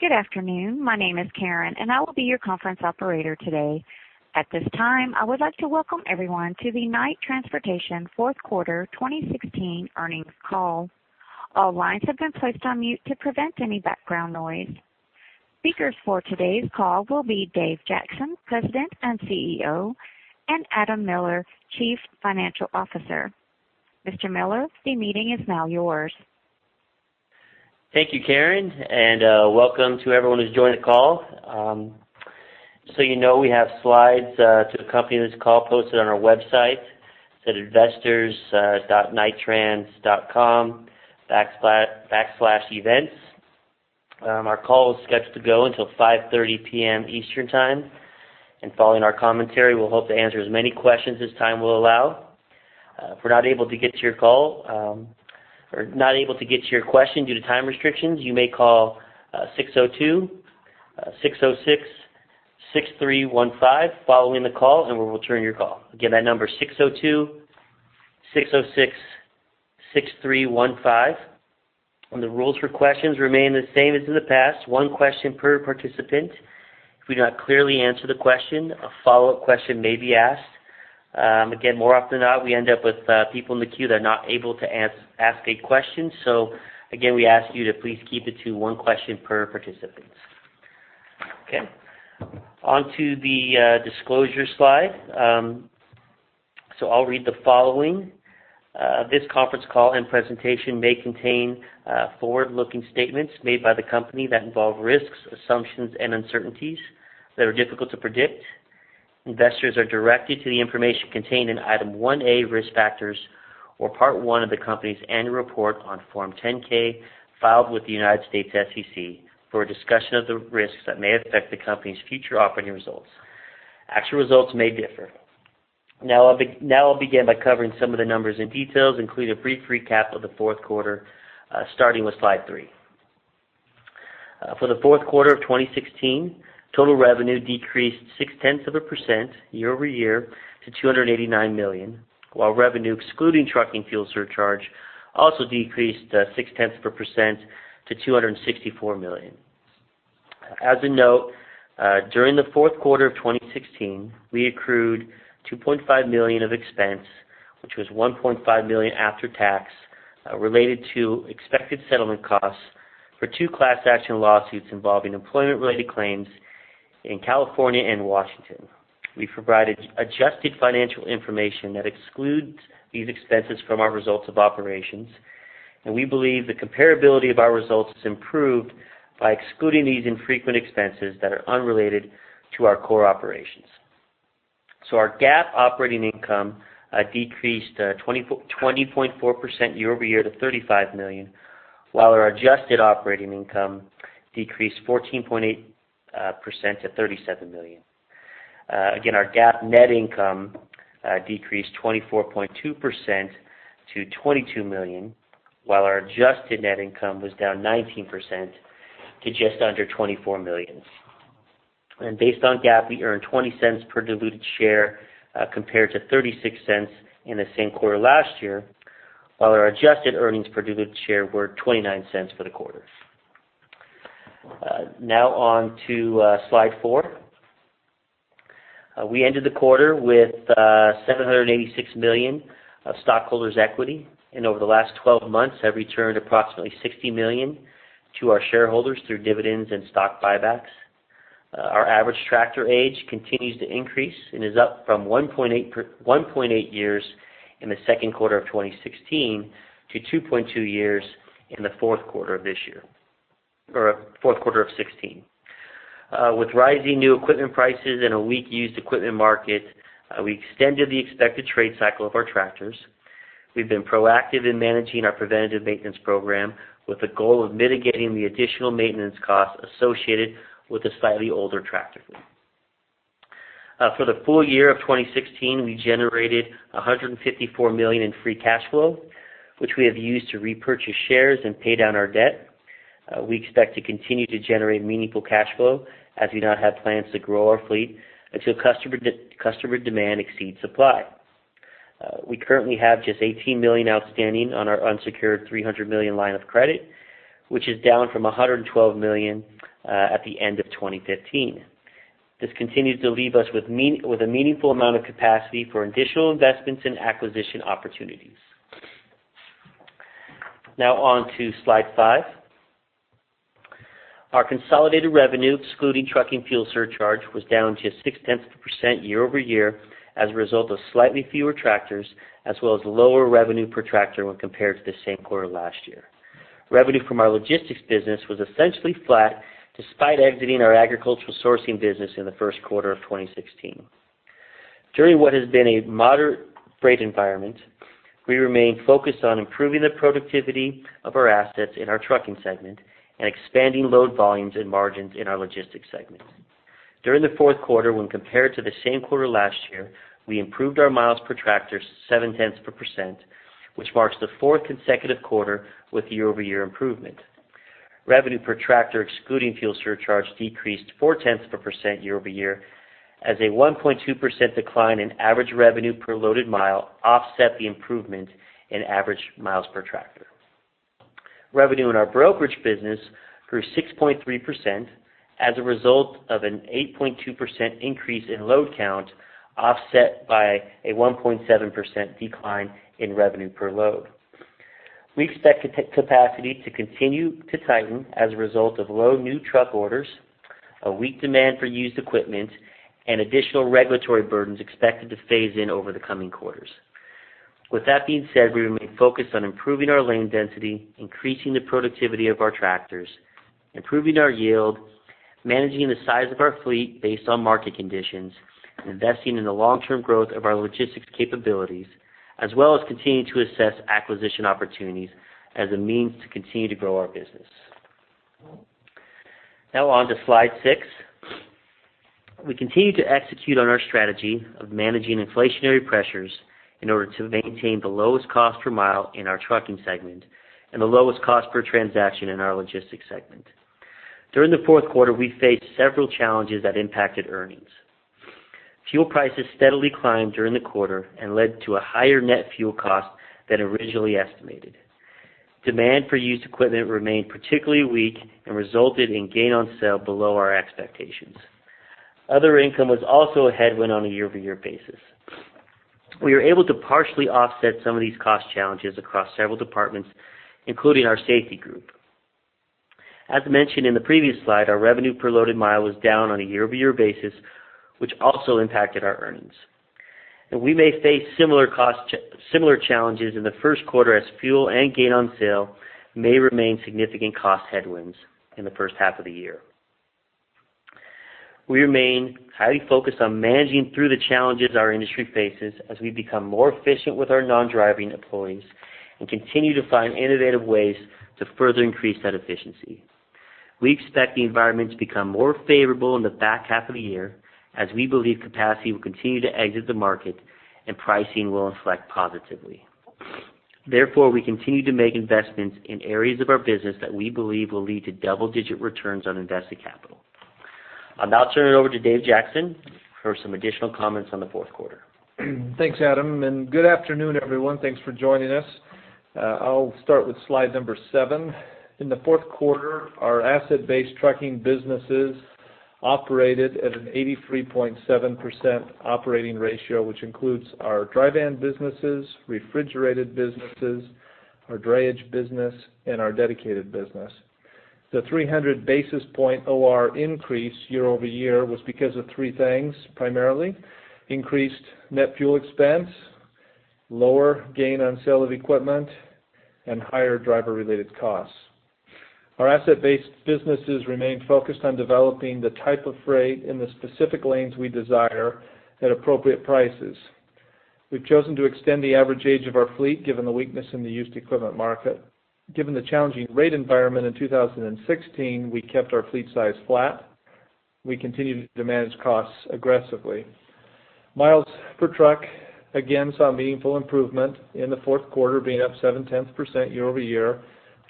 Good afternoon. My name is Karen, and I will be your conference operator today. At this time, I would like to welcome everyone to the Knight Transportation fourth quarter 2016 earnings call. All lines have been placed on mute to prevent any background noise. Speakers for today's call will be Dave Jackson, President and CEO, and Adam Miller, Chief Financial Officer. Mr. Miller, the meeting is now yours. Thank you, Karen, and welcome to everyone who's joined the call. So you know, we have slides to accompany this call posted on our website at investors.knighttrans.com/events. Our call is scheduled to go until 5:30 P.M. Eastern Time, and following our commentary, we'll hope to answer as many questions as time will allow. If we're not able to get to your call, or not able to get to your question due to time restrictions, you may call six zero two six zero six six three one five following the call, and we will return your call. Again, that number is six zero two six zero six six three one five. The rules for questions remain the same as in the past. One question per participant. If we do not clearly answer the question, a follow-up question may be asked. Again, more often than not, we end up with people in the queue that are not able to ask a question. So again, we ask you to please keep it to one question per participant. Okay. On to the disclosure slide. So I'll read the following. This conference call and presentation may contain forward-looking statements made by the company that involve risks, assumptions, and uncertainties that are difficult to predict. Investors are directed to the information contained in Item 1A, Risk Factors, or Part One of the company's Annual Report on Form 10-K, filed with the United States SEC for a discussion of the risks that may affect the company's future operating results. Actual results may differ. Now I'll begin by covering some of the numbers and details, including a brief recap of the fourth quarter, starting with Slide three. For the fourth quarter of 2016, total revenue decreased 0.6% year-over-year to $289 million, while revenue, excluding trucking fuel surcharge, also decreased 0.6% to $264 million. As a note, during the fourth quarter of 2016, we accrued $2.5 million of expense, which was $1.5 million after tax, related to expected settlement costs for two class action lawsuits involving employment-related claims in California and Washington. We provided adjusted financial information that excludes these expenses from our results of operations, and we believe the comparability of our results is improved by excluding these infrequent expenses that are unrelated to our core operations. Our GAAP operating income decreased 24.4% year-over-year to $35 million, while our adjusted operating income decreased 14.8% to $37 million. Again, our GAAP net income decreased 24.2% to $22 million, while our adjusted net income was down 19% to just under $24 million. And based on GAAP, we earned $0.20 per diluted share compared to $0.36 in the same quarter last year, while our adjusted earnings per diluted share were $0.29 for the quarter. Now on to slide four. We ended the quarter with $786 million of stockholders' equity, and over the last 12 months, have returned approximately $60 million to our shareholders through dividends and stock buybacks. Our average tractor age continues to increase and is up from 1.8 years in the second quarter of 2016 to 2.2 years in the fourth quarter of this year, or fourth quarter of 2016. With rising new equipment prices and a weak used equipment market, we extended the expected trade cycle of our tractors. We've been proactive in managing our preventative maintenance program, with the goal of mitigating the additional maintenance costs associated with a slightly older tractor. For the full year of 2016, we generated $154 million in free cash flow, which we have used to repurchase shares and pay down our debt. We expect to continue to generate meaningful cash flow as we now have plans to grow our fleet until customer demand exceeds supply. We currently have just $18 million outstanding on our unsecured $300 million line of credit, which is down from $112 million, at the end of 2015. This continues to leave us with a meaningful amount of capacity for additional investments and acquisition opportunities. Now on to Slide five. Our consolidated revenue, excluding trucking fuel surcharge, was down just 0.6% year-over-year as a result of slightly fewer tractors, as well as lower revenue per tractor when compared to the same quarter last year. Revenue from our logistics business was essentially flat, despite exiting our agricultural sourcing business in the first quarter of 2016. During what has been a moderate freight environment, we remain focused on improving the productivity of our assets in our trucking segment and expanding load volumes and margins in our logistics segment. During the fourth quarter, when compared to the same quarter last year, we improved our miles per tractor 0.7%, which marks the fourth consecutive quarter with year-over-year improvement. Revenue per tractor, excluding fuel surcharge, decreased 0.4% year-over-year. As a 1.2% decline in average revenue per loaded mile offset the improvement in average miles per tractor. Revenue in our brokerage business grew 6.3% as a result of an 8.2% increase in load count, offset by a 1.7% decline in revenue per load. We expect to truck capacity to continue to tighten as a result of low new truck orders, a weak demand for used equipment, and additional regulatory burdens expected to phase in over the coming quarters. With that being said, we remain focused on improving our lane density, increasing the productivity of our tractors, improving our yield, managing the size of our fleet based on market conditions, and investing in the long-term growth of our logistics capabilities, as well as continuing to assess acquisition opportunities as a means to continue to grow our business. Now on to Slide six. We continue to execute on our strategy of managing inflationary pressures in order to maintain the lowest cost per mile in our trucking segment and the lowest cost per transaction in our logistics segment. During the fourth quarter, we faced several challenges that impacted earnings. Fuel prices steadily climbed during the quarter and led to a higher net fuel cost than originally estimated. Demand for used equipment remained particularly weak and resulted in gain on sale below our expectations. Other income was also a headwind on a year-over-year basis. We were able to partially offset some of these cost challenges across several departments, including our safety group. As mentioned in the previous slide, our revenue per loaded mile was down on a year-over-year basis, which also impacted our earnings. We may face similar cost challenges in the first quarter as fuel and gain on sale may remain significant cost headwinds in the first half of the year. We remain highly focused on managing through the challenges our industry faces as we become more efficient with our non-driving employees and continue to find innovative ways to further increase that efficiency. We expect the environment to become more favorable in the back half of the year, as we believe capacity will continue to exit the market and pricing will inflect positively. Therefore, we continue to make investments in areas of our business that we believe will lead to double-digit returns on invested capital. I'll now turn it over to Dave Jackson for some additional comments on the fourth quarter. Thanks, Adam, and good afternoon, everyone. Thanks for joining us. I'll start with slide number seven. In the fourth quarter, our asset-based trucking businesses operated at an 83.7% operating ratio, which includes our dry van businesses, refrigerated businesses, our drayage business, and our dedicated business. The 300 basis point OR increase year-over-year was because of three things, primarily, increased net fuel expense, lower gain on sale of equipment, and higher driver-related costs. Our asset-based businesses remain focused on developing the type of freight in the specific lanes we desire at appropriate prices. We've chosen to extend the average age of our fleet, given the weakness in the used equipment market. Given the challenging rate environment in 2016, we kept our fleet size flat. We continue to manage costs aggressively. Miles per truck, again, saw meaningful improvement in the fourth quarter, being up 0.7% year-over-year,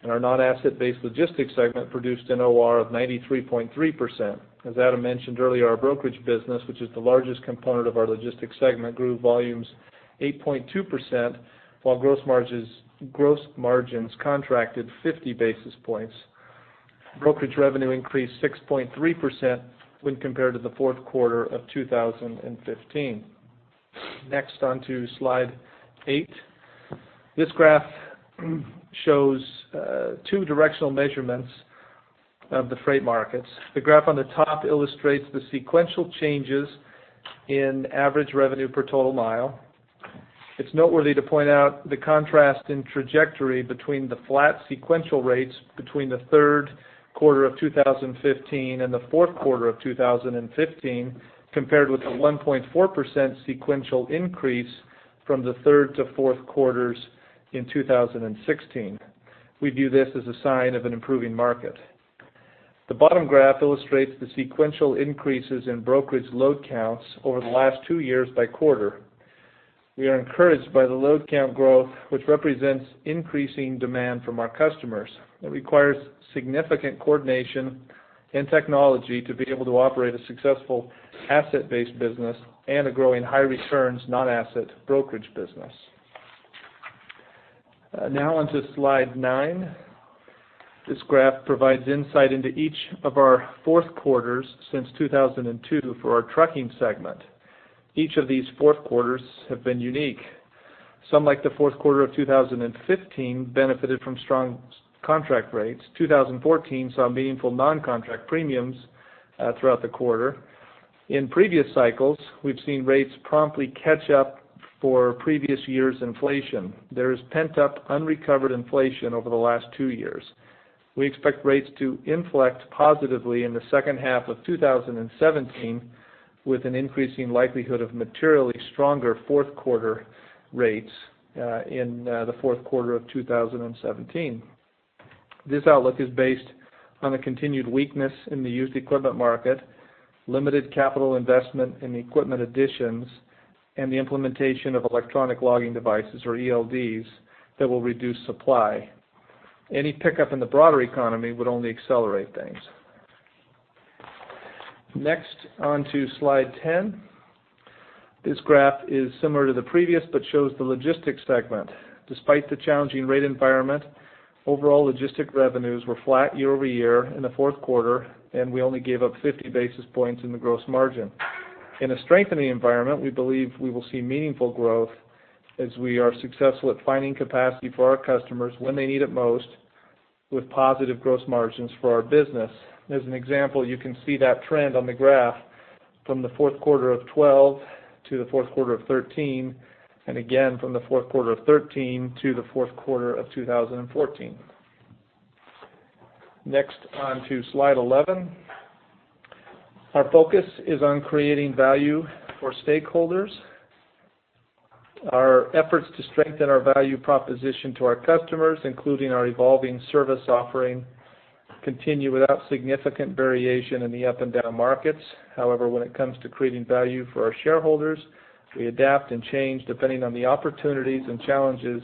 and our non-asset-based logistics segment produced an OR of 93.3%. As Adam mentioned earlier, our brokerage business, which is the largest component of our logistics segment, grew volumes 8.2%, while gross margins, gross margins contracted 50 basis points. Brokerage revenue increased 6.3% when compared to the fourth quarter of 2015. Next, on to slide eight. This graph shows two directional measurements of the freight markets. The graph on the top illustrates the sequential changes in average revenue per total mile. It's noteworthy to point out the contrast in trajectory between the flat sequential rates between the third quarter of 2015 and the fourth quarter of 2015, compared with the 1.4% sequential increase from the third to fourth quarters in 2016. We view this as a sign of an improving market. The bottom graph illustrates the sequential increases in brokerage load counts over the last two years by quarter. We are encouraged by the load count growth, which represents increasing demand from our customers. It requires significant coordination and technology to be able to operate a successful asset-based business and a growing high returns, non-asset brokerage business. Now on to slide nine. This graph provides insight into each of our fourth quarters since 2002 for our trucking segment. Each of these fourth quarters have been unique. Some, like the fourth quarter of 2015, benefited from strong spot-contract rates. 2014 saw meaningful non-contract premiums throughout the quarter. In previous cycles, we've seen rates promptly catch up for previous years' inflation. There is pent-up, unrecovered inflation over the last two years. We expect rates to inflect positively in the second half of 2017, with an increasing likelihood of materially stronger fourth quarter rates in the fourth quarter of 2017. This outlook is based on the continued weakness in the used equipment market, limited capital investment in equipment additions, and the implementation of electronic logging devices, or ELDs, that will reduce supply. Any pickup in the broader economy would only accelerate things. Next, on to slide 10. This graph is similar to the previous, but shows the logistics segment. Despite the challenging rate environment, overall logistics revenues were flat year-over-year in the fourth quarter, and we only gave up 50 basis points in the gross margin. In a strengthening environment, we believe we will see meaningful growth as we are successful at finding capacity for our customers when they need it most, with positive gross margins for our business. As an example, you can see that trend on the graph from the fourth quarter of 2012 to the fourth quarter of 2013, and again from the fourth quarter of 2013 to the fourth quarter of 2014. Next, on to slide 11. Our focus is on creating value for stakeholders. Our efforts to strengthen our value proposition to our customers, including our evolving service offering, continue without significant variation in the up and down markets. However, when it comes to creating value for our shareholders, we adapt and change depending on the opportunities and challenges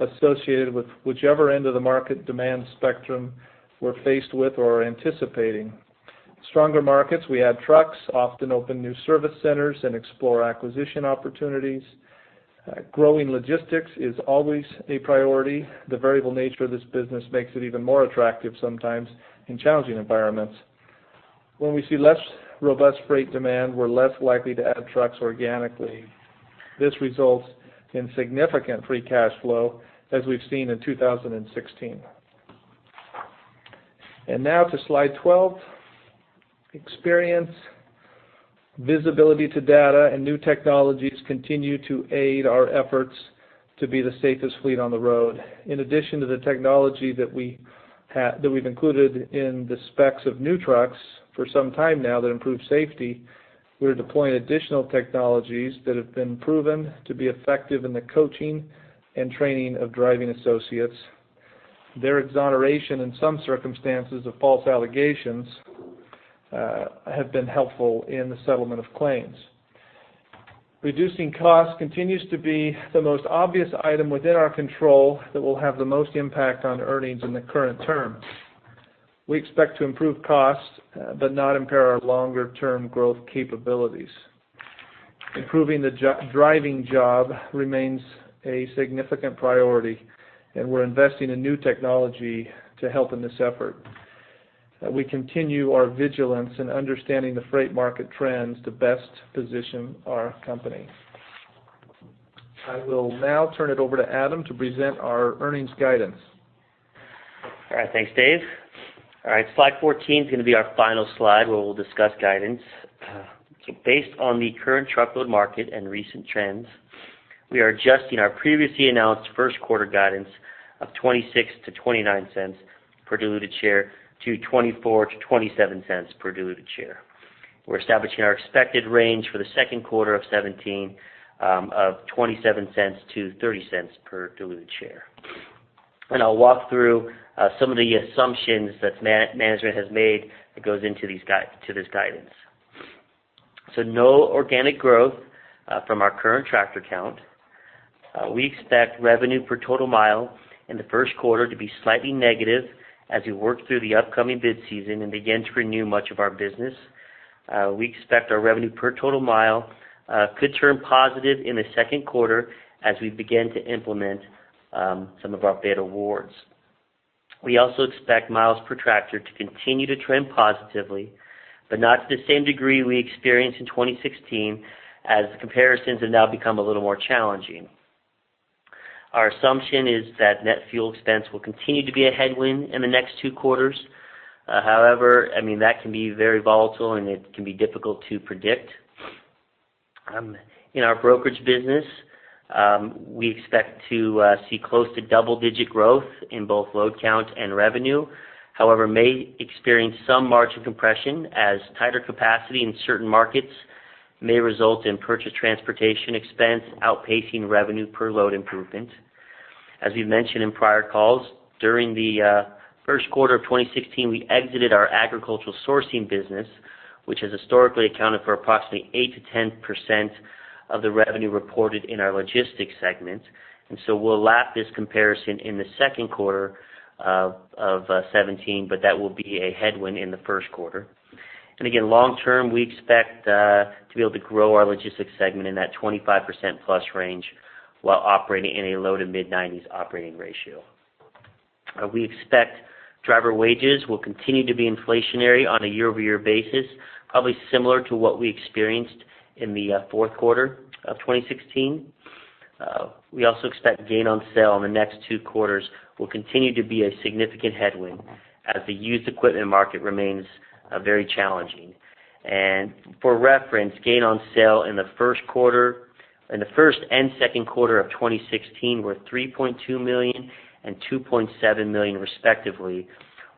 associated with whichever end of the market demand spectrum we're faced with or anticipating. Stronger markets, we add trucks, often open new service centers, and explore acquisition opportunities. Growing logistics is always a priority. The variable nature of this business makes it even more attractive sometimes in challenging environments. When we see less robust freight demand, we're less likely to add trucks organically. This results in significant free cash flow, as we've seen in 2016. And now to slide 12. Experience, visibility to data, and new technologies continue to aid our efforts to be the safest fleet on the road. In addition to the technology that we've included in the specs of new trucks for some time now, that improve safety, we're deploying additional technologies that have been proven to be effective in the coaching and training of driving associates. Their exoneration in some circumstances of false allegations have been helpful in the settlement of claims. Reducing costs continues to be the most obvious item within our control that will have the most impact on earnings in the current term. We expect to improve costs, but not impair our longer-term growth capabilities. Improving the driving job remains a significant priority, and we're investing in new technology to help in this effort. We continue our vigilance in understanding the freight market trends to best position our company. I will now turn it over to Adam to present our earnings guidance. All right. Thanks, Dave. All right, slide 14 is going to be our final slide, where we'll discuss guidance. Based on the current truckload market and recent trends, we are adjusting our previously announced first quarter guidance of $0.26-$0.29 per diluted share to $0.24-$0.27 per diluted share. We're establishing our expected range for the second quarter of 2017 of $0.27-$0.30 per diluted share. I'll walk through some of the assumptions that management has made that goes into this guidance. No organic growth from our current tractor count. We expect revenue per total mile in the first quarter to be slightly negative as we work through the upcoming bid season and begin to renew much of our business. We expect our revenue per total mile could turn positive in the second quarter as we begin to implement some of our bid awards. We also expect miles per tractor to continue to trend positively, but not to the same degree we experienced in 2016, as the comparisons have now become a little more challenging. Our assumption is that net fuel expense will continue to be a headwind in the next two quarters. However, I mean, that can be very volatile, and it can be difficult to predict. In our brokerage business, we expect to see close to double-digit growth in both load count and revenue. However, may experience some margin compression as tighter capacity in certain markets may result in purchased transportation expense outpacing revenue per load improvement. As we've mentioned in prior calls, during the first quarter of 2016, we exited our agricultural sourcing business, which has historically accounted for approximately 8%-10% of the revenue reported in our logistics segment. So we'll lap this comparison in the second quarter of 2017, but that will be a headwind in the first quarter. Again, long term, we expect to be able to grow our logistics segment in that 25%+ range, while operating in a low- to mid-90s operating ratio. We expect driver wages will continue to be inflationary on a year-over-year basis, probably similar to what we experienced in the fourth quarter of 2016. We also expect gain on sale in the next two quarters will continue to be a significant headwind, as the used equipment market remains very challenging. For reference, gain on sale in the first quarter in the first and second quarter of 2016 were $3.2 million and $2.7 million, respectively,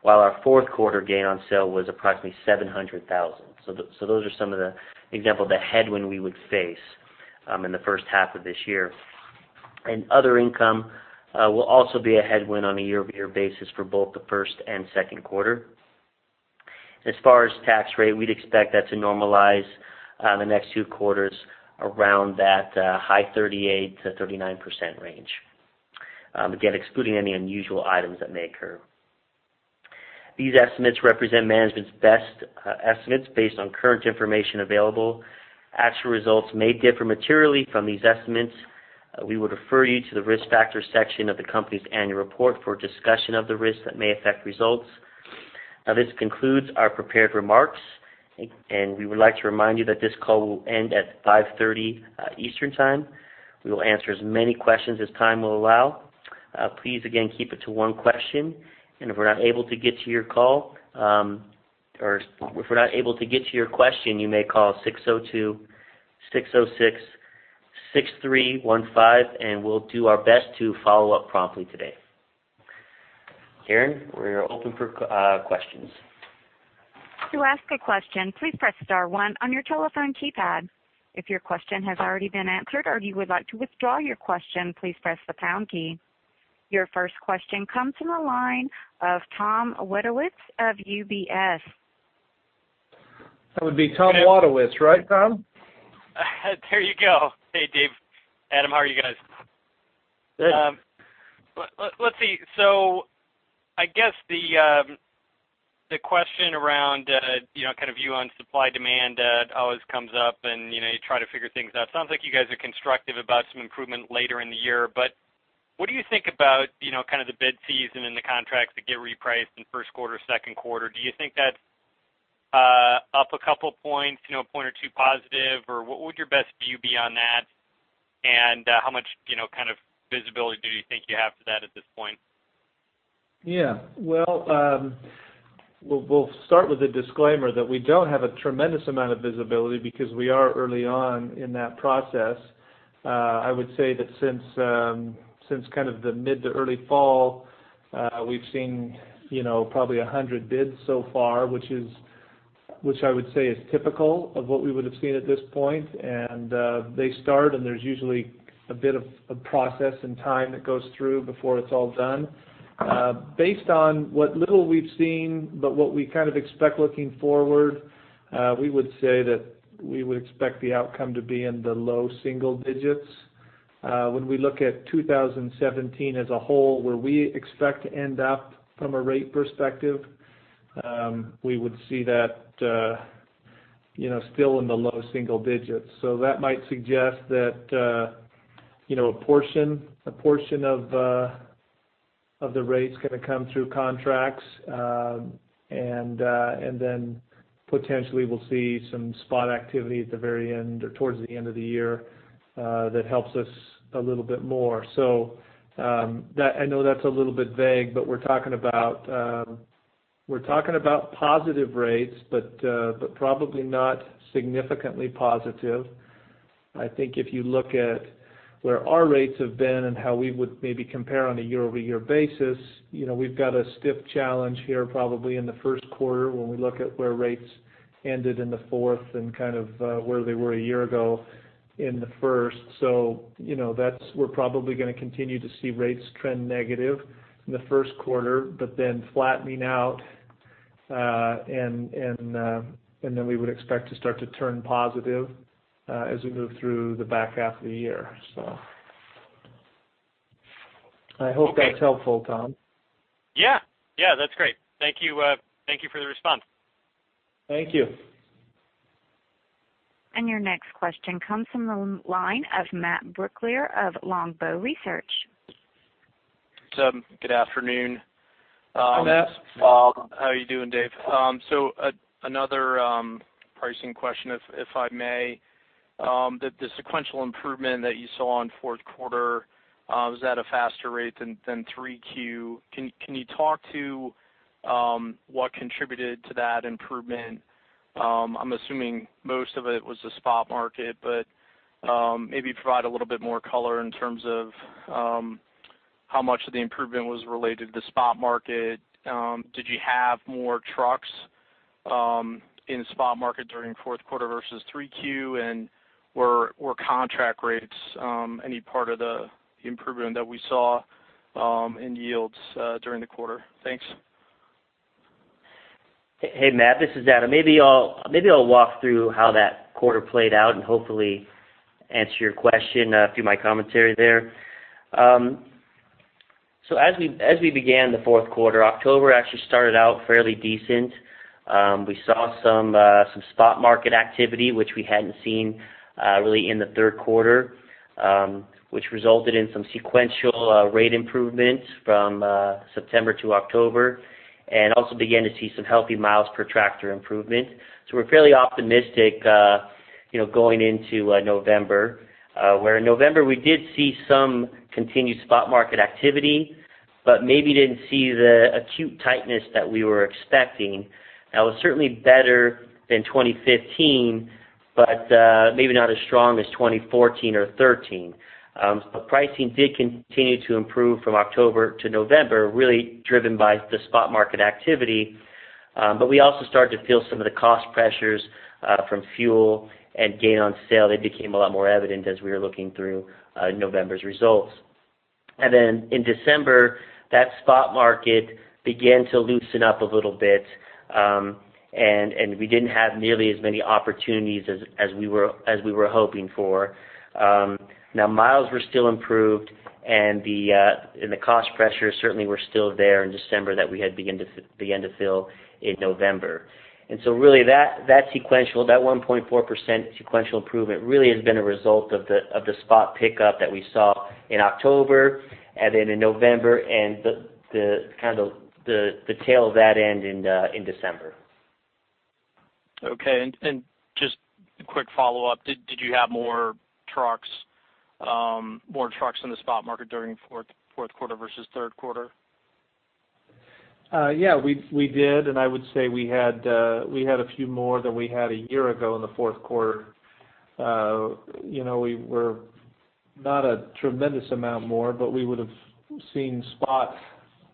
while our fourth quarter gain on sale was approximately $700,000. So those are some of the example of the headwind we would face in the first half of this year. Other income will also be a headwind on a year-over-year basis for both the first and second quarter. As far as tax rate, we'd expect that to normalize the next two quarters around that high 38%-39% range. Again, excluding any unusual items that may occur. These estimates represent management's best estimates based on current information available. Actual results may differ materially from these estimates. We would refer you to the risk factors section of the company's annual report for a discussion of the risks that may affect results. Now, this concludes our prepared remarks, and we would like to remind you that this call will end at 5:30 P.M. Eastern Time. We will answer as many questions as time will allow. Please, again, keep it to one question, and if we're not able to get to your call, or if we're not able to get to your question, you may call six zero two six zero six six three one five, and we'll do our best to follow up promptly today. Karen, we're open for questions. To ask a question, please press star one on your telephone keypad. If your question has already been answered or you would like to withdraw your question, please press the pound key. Your first question comes from the line of Tom Wadewitz of UBS. That would be Tom Wadewitz, right, Tom? There you go. Hey, Dave, Adam, how are you guys? Good. Let's see. So I guess the question around, you know, kind of view on supply-demand always comes up, and, you know, you try to figure things out. Sounds like you guys are constructive about some improvement later in the year, but what do you think about, you know, kind of the bid season and the contracts that get repriced in first quarter, second quarter? Do you think that's up a couple points, you know, a point or two positive, or what would your best view be on that? And how much, you know, kind of visibility do you think you have for that at this point? Yeah. Well, we'll start with a disclaimer that we don't have a tremendous amount of visibility because we are early on in that process. I would say that since kind of the mid to early fall, we've seen, you know, probably 100 bids so far, which I would say is typical of what we would have seen at this point. And they start, and there's usually a bit of a process and time that goes through before it's all done. Based on what little we've seen, but what we kind of expect looking forward, we would say that we would expect the outcome to be in the low single digits. When we look at 2017 as a whole, where we expect to end up from a rate perspective, we would see that, you know, still in the low single digits. So that might suggest that, you know, a portion, a portion of the rates gonna come through contracts. And then potentially we'll see some spot activity at the very end or towards the end of the year, that helps us a little bit more. So, that I know that's a little bit vague, but we're talking about, we're talking about positive rates, but probably not significantly positive. I think if you look at where our rates have been and how we would maybe compare on a year-over-year basis, you know, we've got a stiff challenge here, probably in the first quarter, when we look at where rates ended in the fourth and kind of where they were a year ago in the first. So, you know, that's. We're probably gonna continue to see rates trend negative in the first quarter, but then flattening out, and then we would expect to start to turn positive, as we move through the back half of the year. So, I hope that's helpful, Tom. Yeah. Yeah, that's great. Thank you, thank you for the response. Thank you. Your next question comes from the line of Matt Brooklier of Longbow Research. Good afternoon. Hi, Matt. How are you doing, Dave? So another pricing question, if I may. The sequential improvement that you saw on fourth quarter was at a faster rate than Q3. Can you talk to what contributed to that improvement? I'm assuming most of it was the spot market, but maybe provide a little bit more color in terms of how much of the improvement was related to the spot market. Did you have more trucks in spot market during fourth quarter versus Q3? And were contract rates any part of the improvement that we saw in yields during the quarter? Thanks. Hey, Matt, this is Adam. Maybe I'll walk through how that quarter played out and hopefully answer your question through my commentary there. So as we began the fourth quarter, October actually started out fairly decent. We saw some spot market activity, which we hadn't seen really in the third quarter, which resulted in some sequential rate improvements from September to October, and also began to see some healthy miles per tractor improvement. So we're fairly optimistic, you know, going into November, where in November, we did see some continued spot market activity, but maybe didn't see the acute tightness that we were expecting. That was certainly better than 2015, but maybe not as strong as 2014 or 2013. But pricing did continue to improve from October to November, really driven by the spot market activity. But we also started to feel some of the cost pressures from fuel and gain on sale. They became a lot more evident as we were looking through November's results. And then in December, that spot market began to loosen up a little bit, and we didn't have nearly as many opportunities as we were hoping for. Now, miles were still improved, and the cost pressures certainly were still there in December that we had begun to feel in November. And so really, that sequential 1.4% sequential improvement really has been a result of the spot pickup that we saw in October, and then in November, and the tail end in December. Okay. Just a quick follow-up, did you have more trucks in the spot market during fourth quarter versus third quarter? Yeah, we did, and I would say we had a few more than we had a year ago in the fourth quarter. You know, we were not a tremendous amount more, but we would have seen spot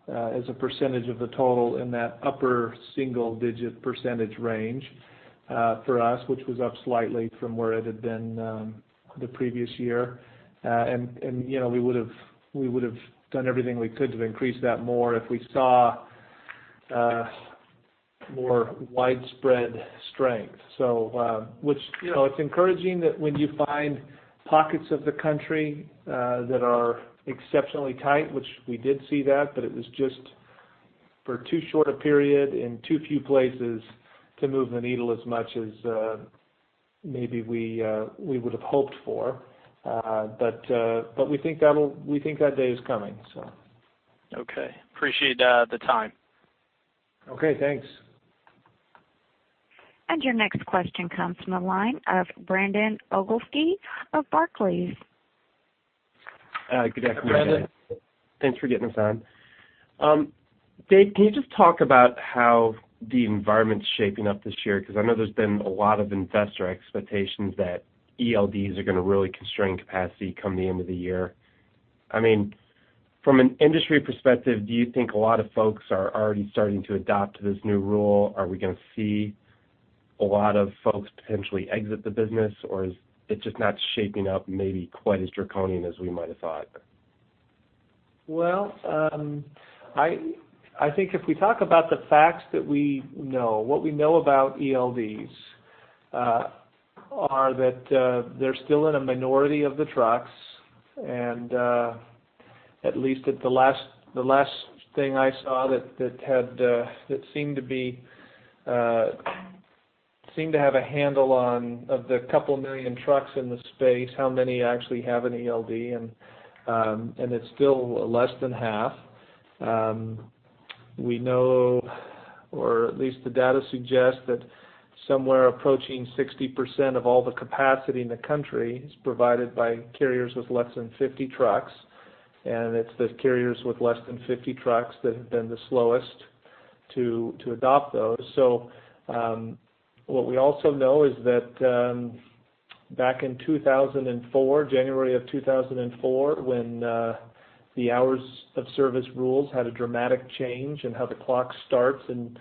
as a percentage of the total in that upper single-digit percentage range for us, which was up slightly from where it had been the previous year. And you know, we would've done everything we could to increase that more if we saw more widespread strength. So, which you know, it's encouraging that when you find pockets of the country that are exceptionally tight, which we did see that, but it was just for too short a period, in too few places to move the needle as much as maybe we would have hoped for. But, but we think that'll—we think that day is coming, so. Okay. Appreciate the time. Okay, thanks. Your next question comes from the line of Brandon Oglenski of Barclays. Good afternoon. Brandon. Thanks for getting us on. Dave, can you just talk about how the environment's shaping up this year? Because I know there's been a lot of investor expectations that ELDs are gonna really constrain capacity come the end of the year. I mean, from an industry perspective, do you think a lot of folks are already starting to adopt to this new rule? Are we gonna see a lot of folks potentially exit the business, or is it just not shaping up maybe quite as draconian as we might have thought? Well, I think if we talk about the facts that we know, what we know about ELDs are that they're still in a minority of the trucks, and at least at the last thing I saw that seemed to have a handle on the couple million trucks in the space, how many actually have an ELD, and it's still less than half. We know, or at least the data suggests that somewhere approaching 60% of all the capacity in the country is provided by carriers with less than 50 trucks, and it's the carriers with less than 50 trucks that have been the slowest to adopt those. So, what we also know is that, back in 2004, January of 2004, when the hours of service rules had a dramatic change in how the clock starts and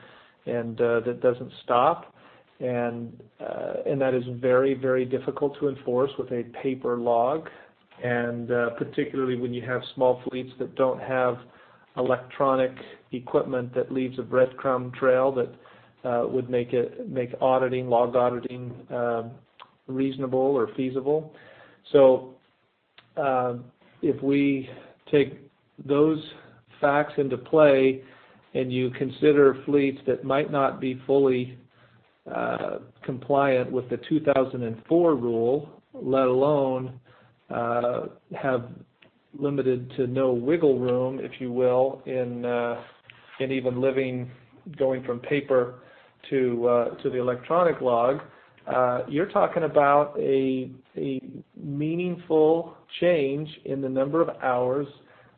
that doesn't stop. That is very, very difficult to enforce with a paper log, and particularly when you have small fleets that don't have electronic equipment that leaves a breadcrumb trail that would make auditing, log auditing, reasonable or feasible. So, if we take those facts into play, and you consider fleets that might not be fully compliant with the 2004 rule, let alone have limited to no wiggle room, if you will, in implementing, going from paper to the electronic log, you're talking about a meaningful change in the number of hours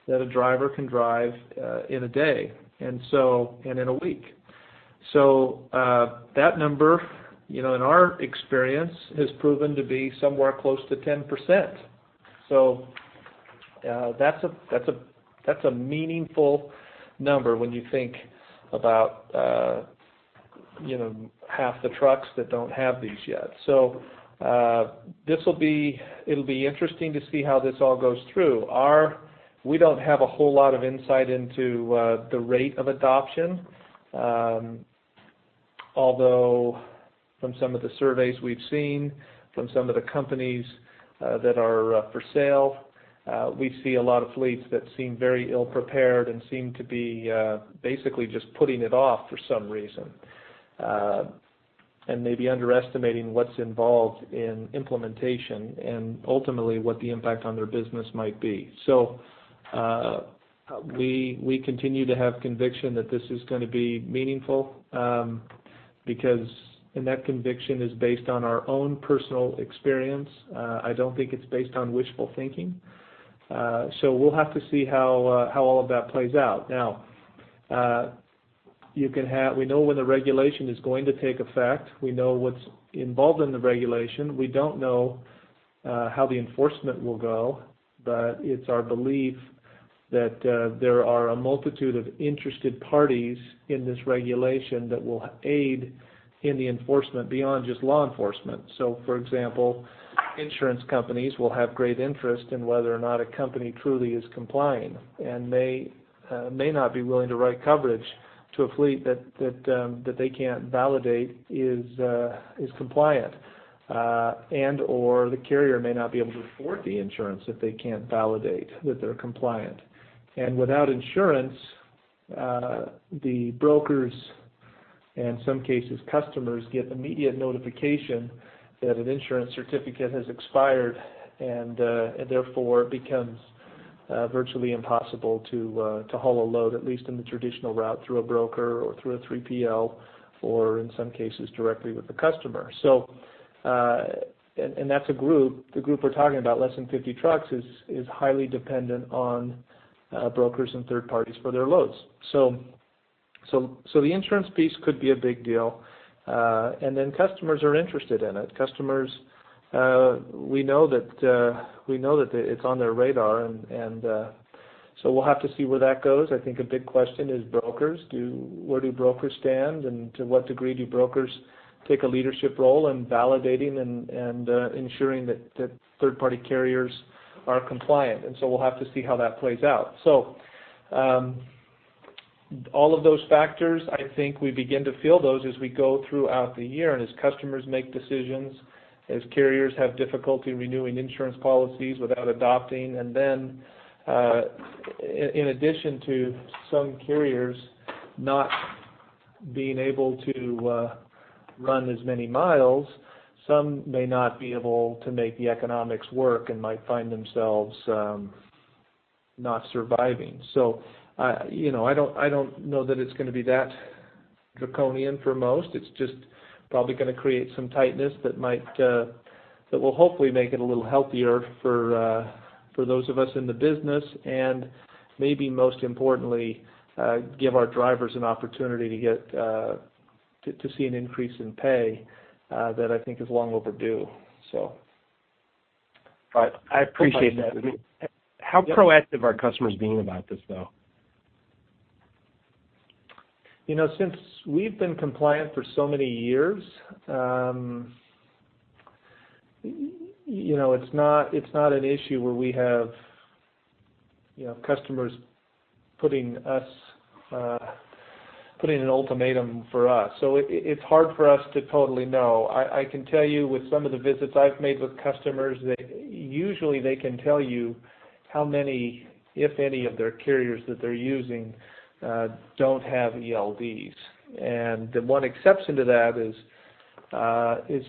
that a driver can drive in a day, and so, and in a week. So, that number, you know, in our experience, has proven to be somewhere close to 10%. So, that's a meaningful number when you think about, you know, half the trucks that don't have these yet. So, this will be. It'll be interesting to see how this all goes through. We don't have a whole lot of insight into the rate of adoption, although from some of the surveys we've seen, from some of the companies that are for sale, we see a lot of fleets that seem very ill-prepared and seem to be basically just putting it off for some reason, and maybe underestimating what's involved in implementation and ultimately what the impact on their business might be. So, we continue to have conviction that this is gonna be meaningful, because, and that conviction is based on our own personal experience. I don't think it's based on wishful thinking. So we'll have to see how all of that plays out. Now, we know when the regulation is going to take effect. We know what's involved in the regulation. We don't know how the enforcement will go, but it's our belief that there are a multitude of interested parties in this regulation that will aid in the enforcement beyond just law enforcement. So, for example, insurance companies will have great interest in whether or not a company truly is complying, and may not be willing to write coverage to a fleet that they can't validate is compliant. And/or the carrier may not be able to afford the insurance if they can't validate that they're compliant. Without insurance, the brokers, and in some cases, customers, get immediate notification that an insurance certificate has expired, and therefore it becomes virtually impossible to haul a load, at least in the traditional route, through a broker or through a 3PL, or in some cases, directly with the customer. So, that's a group, the group we're talking about, less than 50 trucks, is highly dependent on brokers and third parties for their loads. So, the insurance piece could be a big deal. And then customers are interested in it. Customers, we know that it's on their radar, and so we'll have to see where that goes. I think a big question is brokers. Where do brokers stand? To what degree do brokers take a leadership role in validating and ensuring that third-party carriers are compliant? So we'll have to see how that plays out. So, all of those factors, I think we begin to feel those as we go throughout the year and as customers make decisions, as carriers have difficulty renewing insurance policies without adopting. Then, in addition to some carriers not being able to run as many miles, some may not be able to make the economics work and might find themselves not surviving. So, you know, I don't know that it's gonna be that draconian for most. It's just probably gonna create some tightness that might, that will hopefully make it a little healthier for, for those of us in the business, and maybe most importantly, give our drivers an opportunity to get to see an increase in pay, that I think is long overdue. So... All right, I appreciate that. Yep. How proactive are customers being about this, though? You know, since we've been compliant for so many years, you know, it's not, it's not an issue where we have, you know, customers putting us, putting an ultimatum for us. So it, it's hard for us to totally know. I can tell you with some of the visits I've made with customers, they... Usually, they can tell you how many, if any, of their carriers that they're using, don't have ELDs. And the one exception to that is,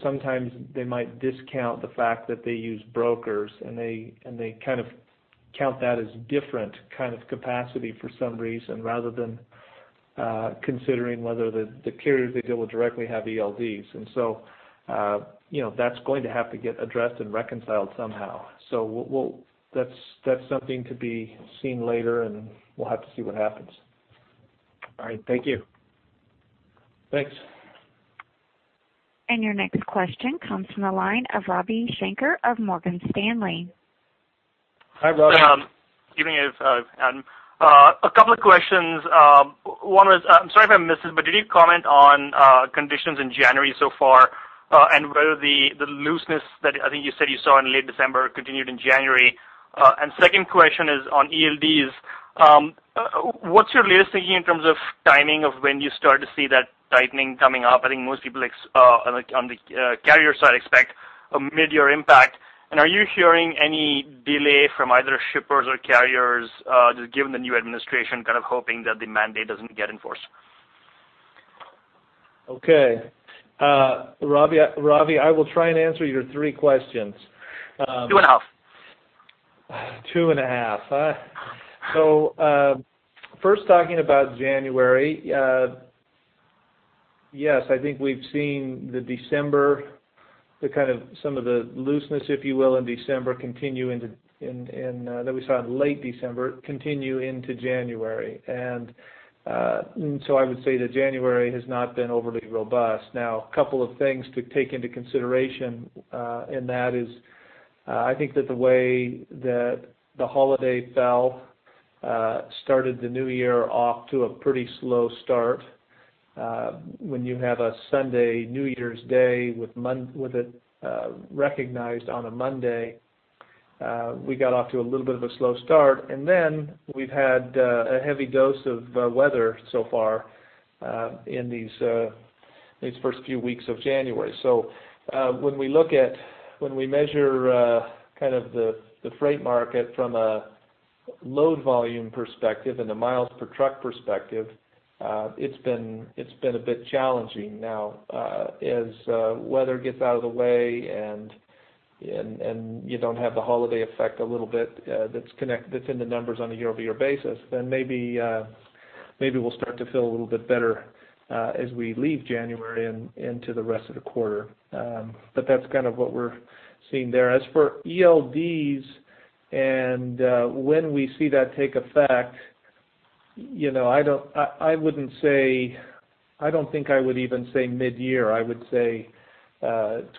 sometimes they might discount the fact that they use brokers, and they kind of count that as different kind of capacity for some reason, rather than, considering whether the carriers they deal with directly have ELDs. And so, you know, that's going to have to get addressed and reconciled somehow. So we'll, we'll... That's, that's something to be seen later, and we'll have to see what happens. All right. Thank you. Thanks. Your next question comes from the line of Ravi Shanker of Morgan Stanley. Hi, Ravi. Good evening, Adam. A couple of questions. One is, I'm sorry if I missed this, but did you comment on conditions in January so far, and whether the looseness that I think you said you saw in late December continued in January? And second question is on ELDs. What's your latest thinking in terms of timing of when you start to see that tightening coming up? I think most people on the carrier side expect a midyear impact. And are you hearing any delay from either shippers or carriers, just given the new administration, kind of hoping that the mandate doesn't get enforced? Okay. Ravi, Ravi, I will try and answer your three questions. 2.5. 2.5, huh? So, first, talking about January, yes, I think we've seen the December, the kind of, some of the looseness, if you will, in December, continue into that we saw in late December, continue into January. And, so I would say that January has not been overly robust. Now, a couple of things to take into consideration, in that is, I think that the way that the holiday fell started the new year off to a pretty slow start. When you have a Sunday New Year's Day, with it recognized on a Monday, we got off to a little bit of a slow start. And then we've had a heavy dose of weather so far in these first few weeks of January. So, when we measure kind of the freight market from a load volume perspective and a miles per truck perspective, it's been a bit challenging. Now, as weather gets out of the way and you don't have the holiday effect a little bit, that's in the numbers on a year-over-year basis, then maybe we'll start to feel a little bit better as we leave January and into the rest of the quarter. But that's kind of what we're seeing there. As for ELDs and when we see that take effect, you know, I don't... I wouldn't say, I don't think I would even say midyear. I would say,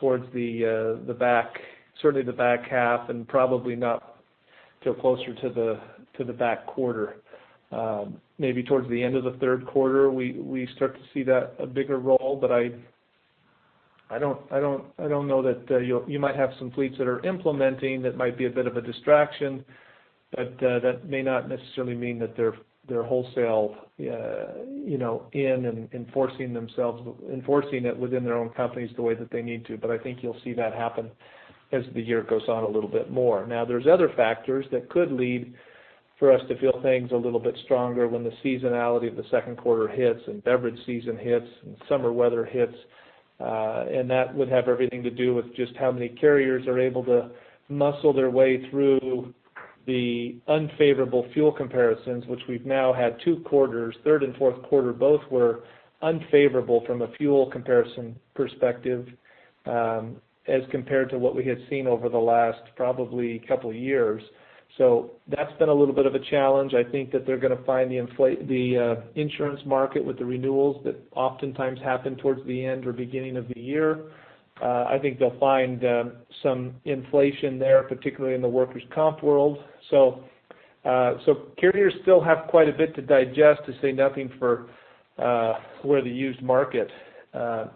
towards the back, certainly the back half, and probably not till closer to the back quarter. Maybe towards the end of the third quarter, we start to see that a bigger role, but I don't know that you might have some fleets that are implementing that might be a bit of a distraction, but that may not necessarily mean that they're wholesale, you know, in and enforcing themselves, enforcing it within their own companies the way that they need to. But I think you'll see that happen as the year goes on a little bit more. Now, there's other factors that could lead for us to feel things a little bit stronger when the seasonality of the second quarter hits and beverage season hits and summer weather hits. And that would have everything to do with just how many carriers are able to muscle their way through the unfavorable fuel comparisons, which we've now had two quarters, third and fourth quarter, both were unfavorable from a fuel comparison perspective, as compared to what we had seen over the last probably couple years. So that's been a little bit of a challenge. I think that they're going to find the insurance market with the renewals that oftentimes happen towards the end or beginning of the year. I think they'll find some inflation there, particularly in the workers' comp world. So carriers still have quite a bit to digest, to say nothing for where the used market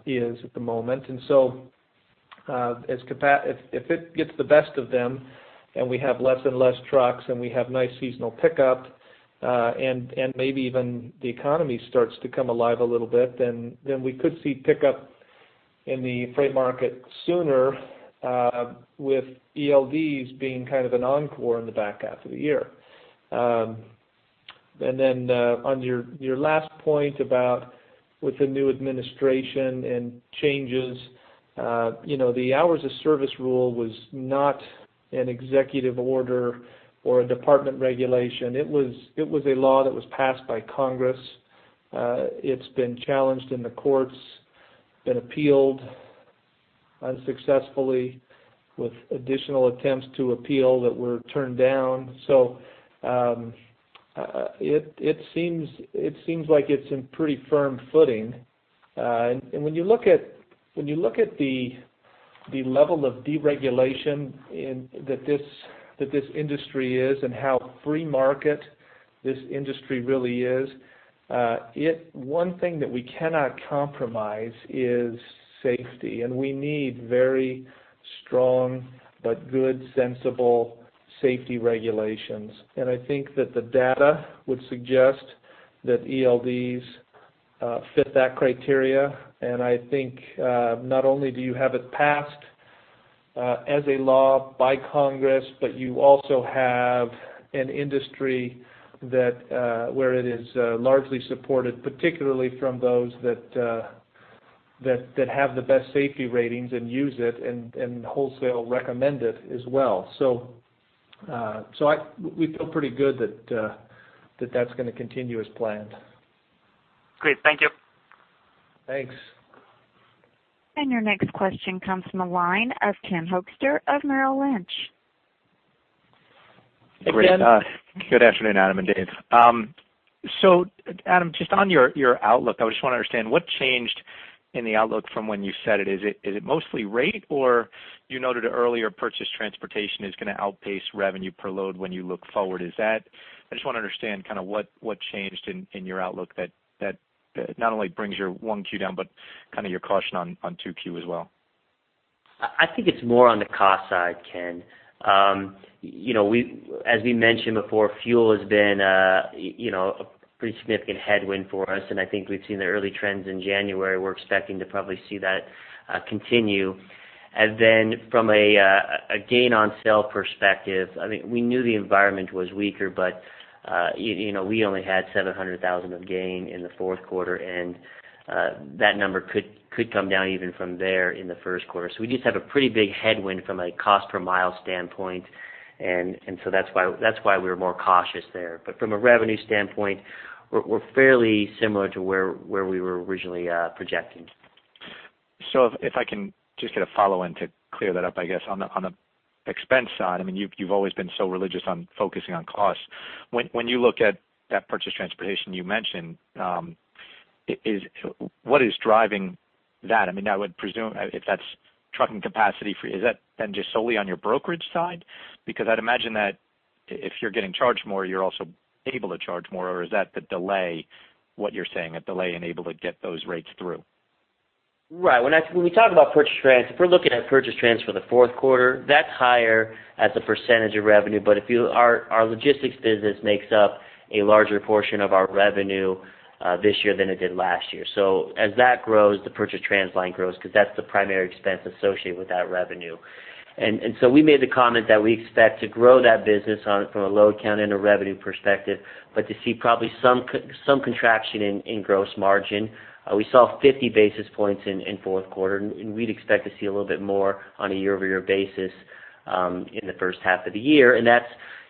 is at the moment. And so, as capacity if it gets the best of them, and we have less and less trucks, and we have nice seasonal pickup, and maybe even the economy starts to come alive a little bit, then we could see pickup in the freight market sooner, with ELDs being kind of an encore in the back half of the year. And then, on your last point about with the new administration and changes, you know, the hours of service rule was not an executive order or a department regulation. It was a law that was passed by Congress. It's been challenged in the courts, been appealed unsuccessfully, with additional attempts to appeal that were turned down. So, it seems like it's in pretty firm footing. And when you look at the level of deregulation in that this industry is and how free market this industry really is, one thing that we cannot compromise is safety, and we need very strong, but good, sensible safety regulations. And I think that the data would suggest that ELDs fit that criteria. And I think not only do you have it passed as a law by Congress, but you also have an industry that where it is largely supported, particularly from those that have the best safety ratings and use it and wholesale recommend it as well. So, we feel pretty good that that's going to continue as planned. Great. Thank you. Thanks. Your next question comes from the line of Ken Hoexter of Merrill Lynch. Hey, Ken. Good afternoon, Adam and Dave. So Adam, just on your outlook, I just want to understand what changed in the outlook from when you set it. Is it mostly rate, or you noted earlier, purchased transportation is going to outpace revenue per load when you look forward? Is that? I just want to understand kind of what changed in your outlook that not only brings your Q1 down, but kind of your caution on Q2 as well? I think it's more on the cost side, Ken. You know, we as we mentioned before, fuel has been, you know, a pretty significant headwind for us, and I think we've seen the early trends in January. We're expecting to probably see that continue. And then from a gain on sale perspective, I mean, we knew the environment was weaker, but you know, we only had $700,000 of gain in the fourth quarter, and that number could come down even from there in the first quarter. So we just have a pretty big headwind from a cost per mile standpoint, and so that's why we're more cautious there. But from a revenue standpoint, we're fairly similar to where we were originally projecting. So if I can just get a follow-up to clear that up, I guess, on the expense side, I mean, you've always been so religious on focusing on costs. When you look at that purchased transportation you mentioned, what is driving that? I mean, I would presume if that's trucking capacity for you, is that then just solely on your brokerage side? Because I'd imagine that if you're getting charged more, you're also able to charge more, or is that the delay, what you're saying, a delay in able to get those rates through? Right. When we talk about purchase trans, if we're looking at purchase trans for the fourth quarter, that's higher as a percentage of revenue. But our logistics business makes up a larger portion of our revenue this year than it did last year. So as that grows, the purchase trans line grows, because that's the primary expense associated with that revenue. And so we made the comment that we expect to grow that business from a load count and a revenue perspective, but to see probably some contraction in gross margin. We saw 50 basis points in fourth quarter, and we'd expect to see a little bit more on a year-over-year basis in the first half of the year. That's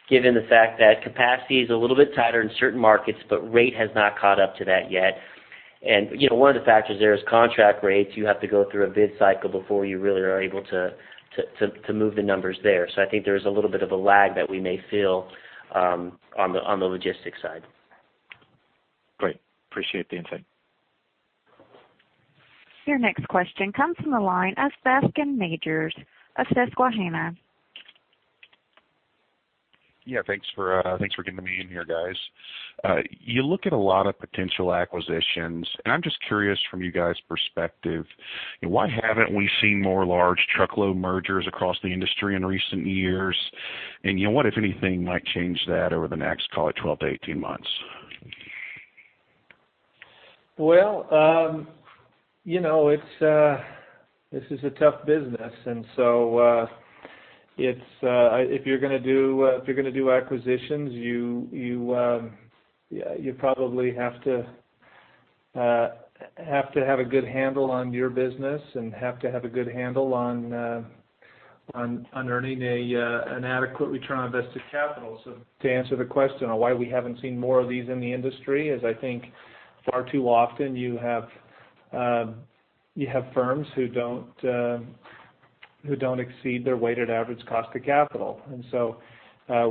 given the fact that capacity is a little bit tighter in certain markets, but rate has not caught up to that yet. You know, one of the factors there is contract rates. You have to go through a bid cycle before you really are able to move the numbers there. So I think there's a little bit of a lag that we may feel on the logistics side. Great. Appreciate the insight. Your next question comes from the line of Bascome Majors of Susquehanna.... Yeah, thanks for getting me in here, guys. You look at a lot of potential acquisitions, and I'm just curious from you guys' perspective, why haven't we seen more large truckload mergers across the industry in recent years? And, you know, what, if anything, might change that over the next, call it, 12 months-18 months? Well, you know, this is a tough business, and so, if you're gonna do acquisitions, yeah, you probably have to have a good handle on your business and have to have a good handle on earning an adequate return on invested capital. So to answer the question on why we haven't seen more of these in the industry, is I think far too often you have firms who don't exceed their weighted average cost of capital. And so,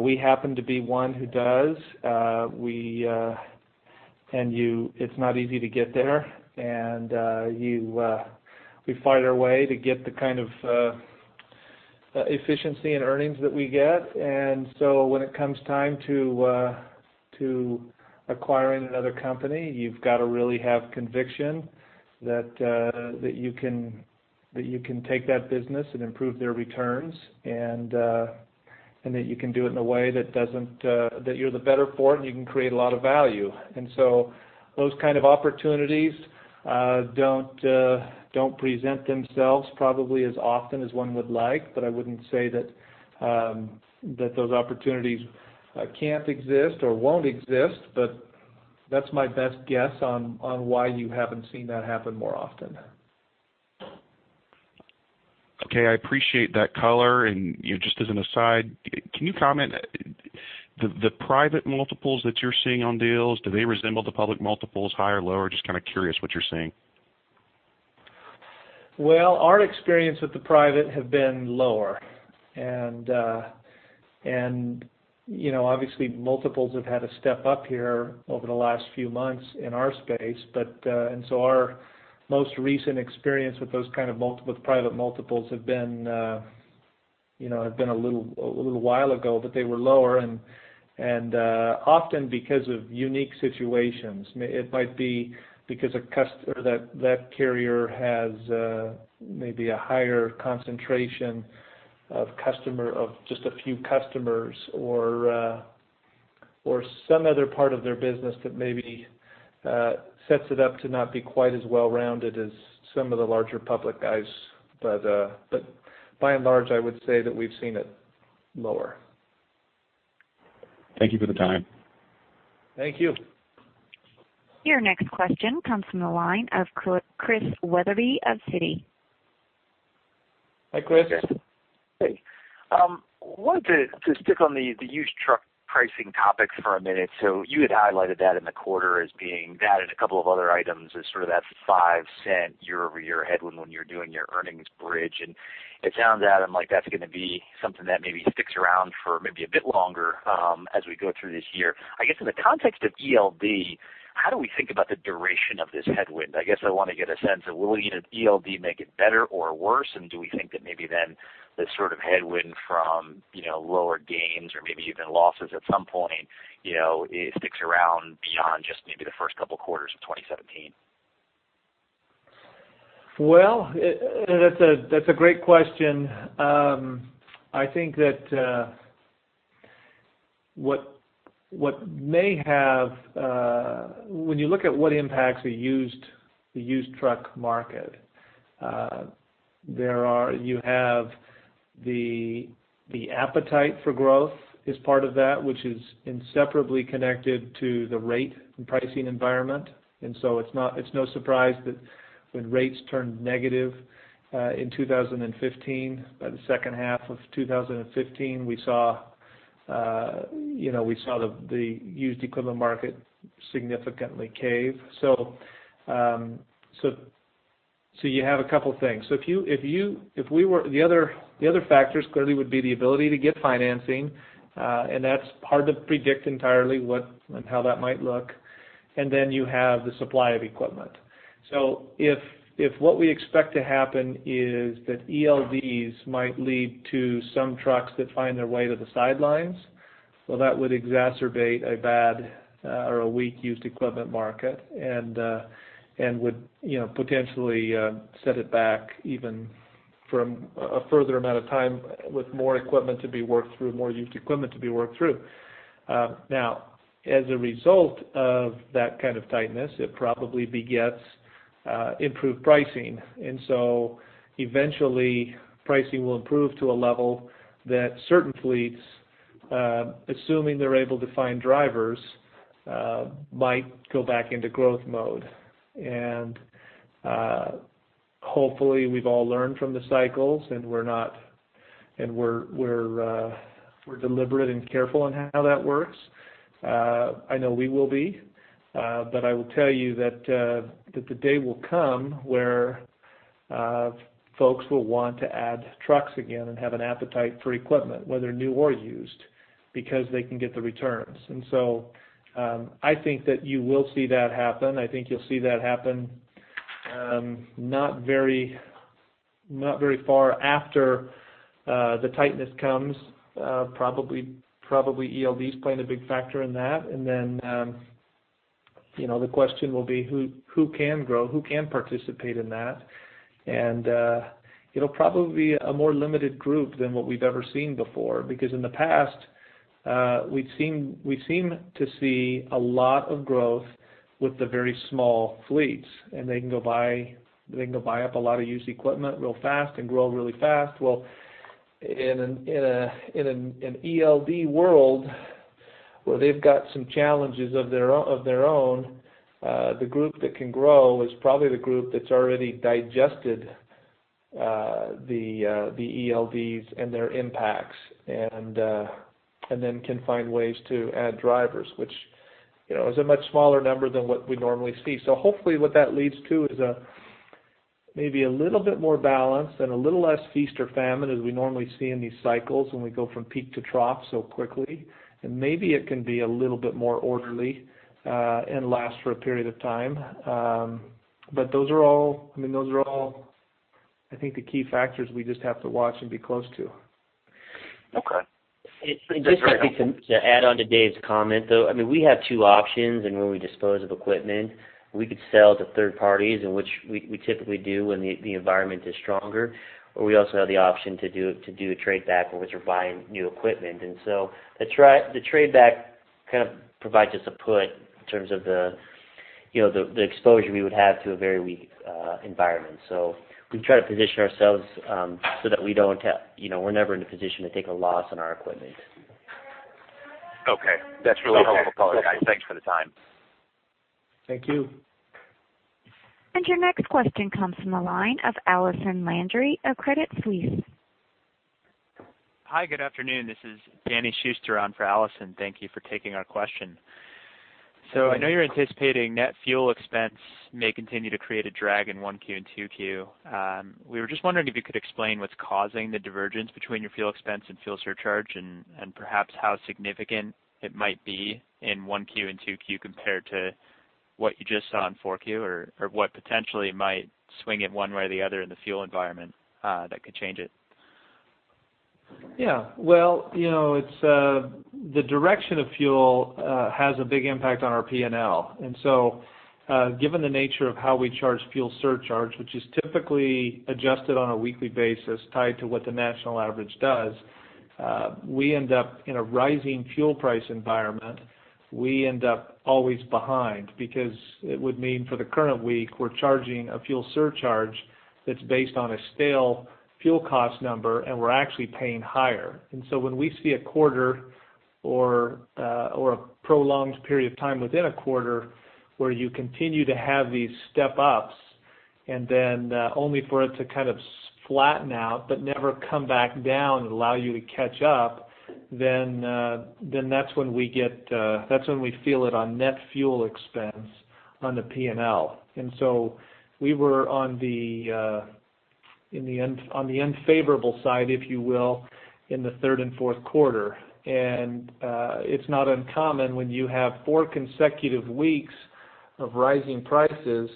we happen to be one who does. It's not easy to get there. And we fight our way to get the kind of efficiency and earnings that we get. When it comes time to acquiring another company, you've got to really have conviction that you can take that business and improve their returns, and that you can do it in a way that doesn't, that you're the better for it, and you can create a lot of value. Those kind of opportunities don't present themselves probably as often as one would like, but I wouldn't say that those opportunities can't exist or won't exist. That's my best guess on why you haven't seen that happen more often. Okay, I appreciate that color. And, you know, just as an aside, can you comment, the private multiples that you're seeing on deals, do they resemble the public multiples, higher or lower? Just kind of curious what you're seeing. Well, our experience with the private have been lower. And, you know, obviously, multiples have had to step up here over the last few months in our space. But... And so our most recent experience with those kind of multiple- with private multiples have been, you know, have been a little while ago, but they were lower, and, often because of unique situations. It might be because a customer or that, that carrier has, maybe a higher concentration of customer, of just a few customers or, or some other part of their business that maybe sets it up to not be quite as well-rounded as some of the larger public guys. But, but by and large, I would say that we've seen it lower. Thank you for the time. Thank you. Your next question comes from the line of Chris Wetherbee of Citi. Hi, Chris. Hey. Wanted to stick on the used truck pricing topic for a minute. So you had highlighted that in the quarter as being, that and a couple of other items, as sort of that $0.05 year-over-year headwind when you're doing your earnings bridge. And it sounds, Adam, like that's gonna be something that maybe sticks around for maybe a bit longer, as we go through this year. I guess in the context of ELD, how do we think about the duration of this headwind? I guess I want to get a sense of will ELD make it better or worse, and do we think that maybe then the sort of headwind from, you know, lower gains or maybe even losses at some point, you know, it sticks around beyond just maybe the first couple quarters of 2017? Well, that's a great question. I think that what may have... When you look at what impacts the used truck market, you have the appetite for growth is part of that, which is inseparably connected to the rate and pricing environment. And so it's no surprise that when rates turned negative in 2015, by the second half of 2015, we saw, you know, we saw the used equipment market significantly cave. So, so you have a couple things. So if you- if we were... The other factors, clearly, would be the ability to get financing, and that's hard to predict entirely, what and how that might look. And then you have the supply of equipment. So if what we expect to happen is that ELDs might lead to some trucks that find their way to the sidelines, well, that would exacerbate a bad or a weak used equipment market and would, you know, potentially set it back even from a further amount of time, with more equipment to be worked through, more used equipment to be worked through. Now, as a result of that kind of tightness, it probably begets improved pricing. And so eventually, pricing will improve to a level that certain fleets, assuming they're able to find drivers, might go back into growth mode. And hopefully, we've all learned from the cycles, and we're not, we're deliberate and careful on how that works. I know we will be, but I will tell you that the day will come where folks will want to add trucks again and have an appetite for equipment, whether new or used, because they can get the returns. And so, I think that you will see that happen. I think you'll see that happen, not very far after the tightness comes, probably, probably ELDs playing a big factor in that. And then, you know, the question will be, who, who can grow? Who can participate in that? And it'll probably be a more limited group than what we've ever seen before. Because in the past, we've seen we seem to see a lot of growth with the very small fleets, and they can go buy up a lot of used equipment real fast and grow really fast. Well, in an ELD world, where they've got some challenges of their own, the group that can grow is probably the group that's already digested the ELDs and their impacts, and then can find ways to add drivers, which, you know, is a much smaller number than what we normally see. So hopefully, what that leads to is maybe a little bit more balance and a little less feast or famine, as we normally see in these cycles when we go from peak to trough so quickly. Maybe it can be a little bit more orderly, and last for a period of time. But those are all, I mean, those are all, I think, the key factors we just have to watch and be close to. Okay. And just, I think, to add on to Dave's comment, though, I mean, we have two options, and when we dispose of equipment, we could sell to third parties, in which we typically do when the environment is stronger, or we also have the option to do a trade back, in which we're buying new equipment. And so the trade back kind of provides us a put in terms of the, you know, the exposure we would have to a very weak environment. So we try to position ourselves so that we don't have, you know, we're never in a position to take a loss on our equipment. Okay. That's really helpful color, guys. Thanks for the time. Thank you. Your next question comes from the line of Allison Landry of Credit Suisse. Hi, good afternoon. This is Danny Schuster on for Allison. Thank you for taking our question. I know you're anticipating net fuel expense may continue to create a drag in Q1 and Q2. We were just wondering if you could explain what's causing the divergence between your fuel expense and fuel surcharge, and, and perhaps how significant it might be in Q1 and Q2, compared to what you just saw in Q4, or, or what potentially might swing it one way or the other in the fuel environment, that could change it? Yeah. Well, you know, it's the direction of fuel has a big impact on our P&L. And so, given the nature of how we charge fuel surcharge, which is typically adjusted on a weekly basis, tied to what the national average does, we end up in a rising fuel price environment. We end up always behind, because it would mean for the current week, we're charging a fuel surcharge that's based on a stale fuel cost number, and we're actually paying higher. And so when we see a quarter or a prolonged period of time within a quarter, where you continue to have these step ups, and then only for it to kind of flatten out but never come back down and allow you to catch up, then then that's when we get, that's when we feel it on net fuel expense on the P$L. And so we were on the unfavorable side, if you will, in the third and fourth quarter. It's not uncommon when you have four consecutive weeks of rising prices,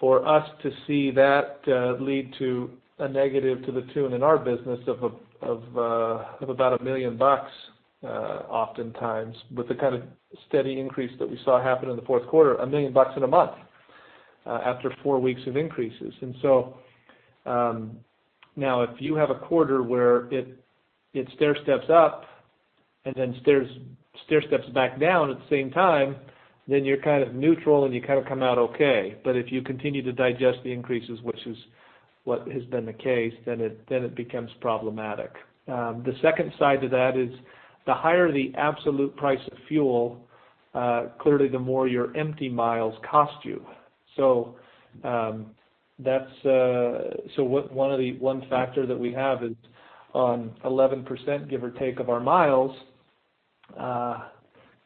for us to see that lead to a negative to the tune in our business of about $1 million, oftentimes, with the kind of steady increase that we saw happen in the fourth quarter, $1 million in a month, after four weeks of increases. So, now, if you have a quarter where it stairsteps up and then stairsteps back down at the same time, then you're kind of neutral, and you kind of come out okay. But if you continue to digest the increases, which is what has been the case, then it becomes problematic. The second side to that is, the higher the absolute price of fuel, clearly, the more your empty miles cost you. So, that's... So, one of the factors that we have is on 11%, give or take, of our miles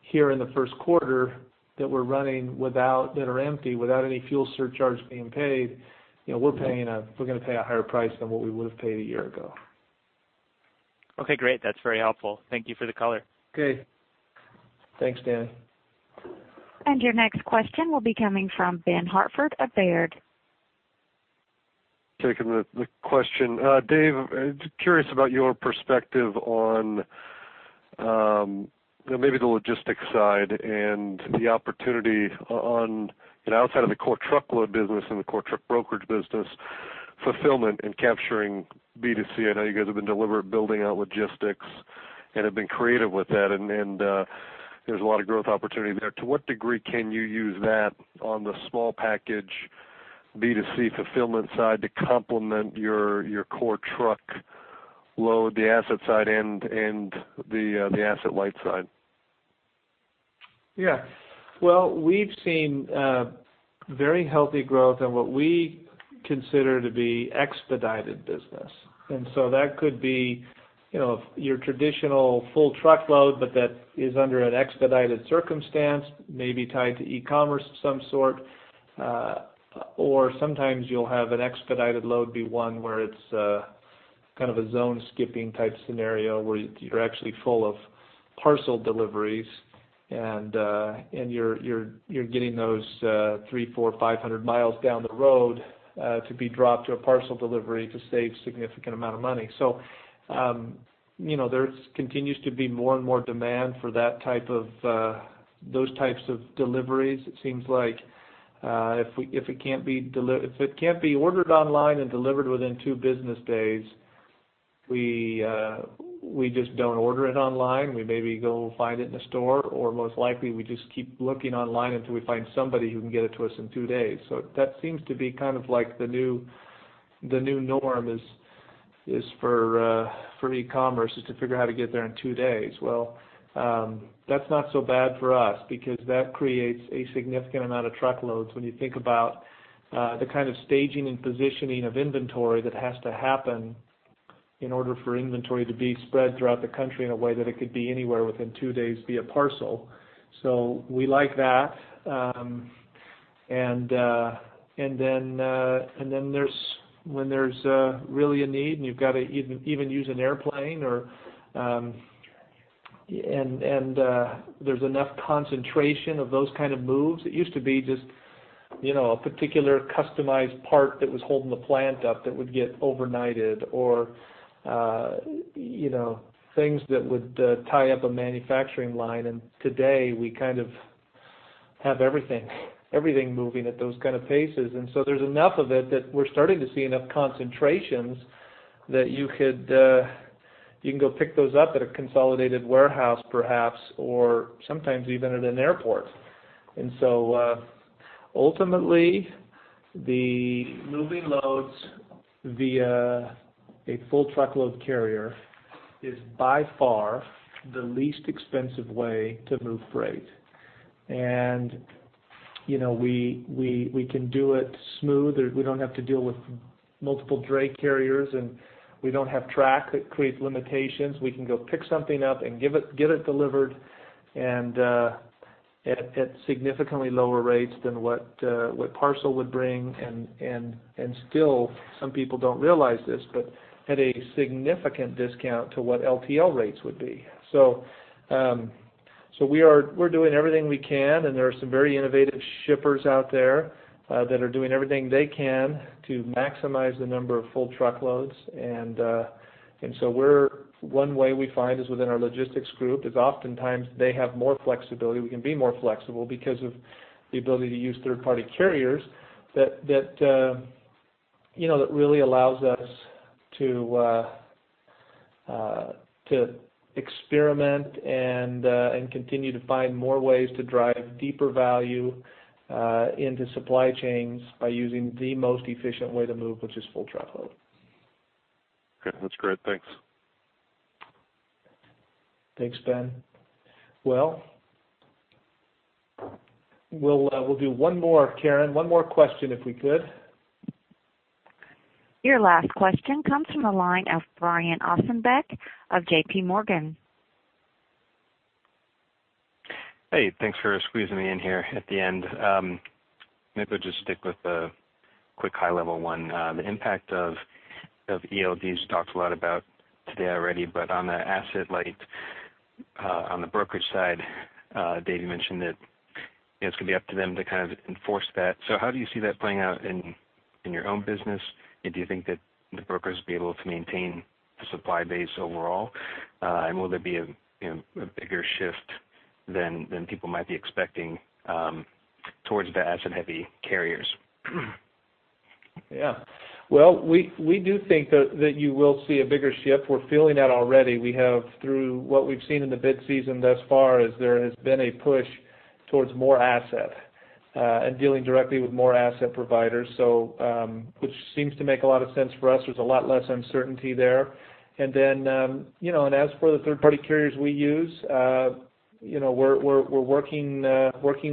here in the first quarter that we're running without, that are empty, without any fuel surcharge being paid, you know, we're going to pay a higher price than what we would have paid a year ago. Okay, great. That's very helpful. Thank you for the color. Okay. Thanks, Danny. Your next question will be coming from Ben Hartford of Baird. Taking the question. Dave, just curious about your perspective on maybe the logistics side and the opportunity on, you know, outside of the core truckload business and the core truck brokerage business, fulfillment and capturing B2C. I know you guys have been deliberate building out logistics and have been creative with that, and there's a lot of growth opportunity there. To what degree can you use that on the small package, B2C fulfillment side to complement your core truckload, the asset side and the asset light side? Yeah. Well, we've seen very healthy growth in what we consider to be expedited business. And so that could be, you know, your traditional full truckload, but that is under an expedited circumstance, maybe tied to e-commerce of some sort. Or sometimes you'll have an expedited load be one where it's kind of a Zone Skipping type scenario, where you're actually full of parcel deliveries, and you're getting those 300, 400, 500 miles down the road to be dropped to a parcel delivery to save significant amount of money. So, you know, there's continues to be more and more demand for that type of those types of deliveries. It seems like, if we, if it can't be ordered online and delivered within two business days, we, we just don't order it online. We maybe go find it in the store, or most likely, we just keep looking online until we find somebody who can get it to us in two days. So that seems to be kind of like the new, the new norm is, is for, for e-commerce, is to figure out how to get there in two days. Well, that's not so bad for us because that creates a significant amount of truckloads when you think about, the kind of staging and positioning of inventory that has to happen in order for inventory to be spread throughout the country in a way that it could be anywhere within two days via parcel. So we like that. and then there's—when there's really a need, and you've got to even use an airplane or, and there's enough concentration of those kind of moves, it used to be just, you know, a particular customized part that was holding the plant up, that would get overnighted or, you know, things that would tie up a manufacturing line. And today, we kind of have everything, everything moving at those kind of paces. And so there's enough of it that we're starting to see enough concentrations that you could, you can go pick those up at a consolidated warehouse, perhaps, or sometimes even at an airport. And so, ultimately, the moving loads via a full truckload carrier is by far the least expensive way to move freight. And, you know, we can do it smooth. We don't have to deal with multiple dray carriers, and we don't have track that creates limitations. We can go pick something up and get it delivered, and at significantly lower rates than what parcel would bring. And still, some people don't realize this, but at a significant discount to what LTL rates would be. So, we're doing everything we can, and there are some very innovative shippers out there that are doing everything they can to maximize the number of full truckloads. And so we're... One way we find is within our logistics group; oftentimes they have more flexibility. We can be more flexible because of the ability to use third-party carriers that, you know, really allows us to experiment and continue to find more ways to drive deeper value into supply chains by using the most efficient way to move, which is full truckload. Okay, that's great. Thanks. Thanks, Ben. Well, we'll do one more, Karen, one more question, if we could. Your last question comes from the line of Brian Ossenbeck of JP Morgan. Hey, thanks for squeezing me in here at the end. Maybe I'll just stick with the quick, high-level one. The impact of ELDs, you talked a lot about today already, but on the asset light, on the brokerage side, Dave mentioned that, you know, it's going to be up to them to kind of enforce that. So how do you see that playing out in your own business? And do you think that the brokers will be able to maintain the supply base overall? And will there be a bigger shift than people might be expecting towards the asset-heavy carriers? Yeah. Well, we do think that you will see a bigger shift. We're feeling that already. We've through what we've seen in the bid season thus far, is there has been a push towards more asset and dealing directly with more asset providers, so, which seems to make a lot of sense for us. There's a lot less uncertainty there. And then, you know, and as for the third-party carriers we use, you know, we're working